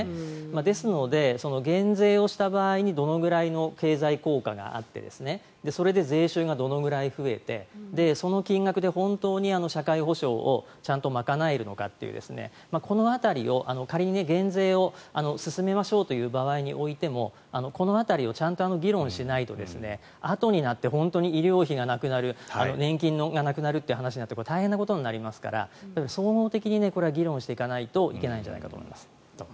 ですので、減税をした場合にどのくらいの経済効果があってそれで税収がどのくらい増えてその金額で本当に社会保障をちゃんと賄えるのかというこの辺りを仮に減税を進めましょうという場合においてもこの辺りをちゃんと議論しないとあとになって本当に医療費がなくなる年金がなくなるという話になると大変な話になりますから総合的に議論していかないといけないんじゃないかと思います。